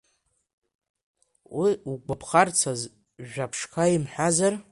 Уи угәаԥхарцаз, жәа-ԥшқа имҳәазар?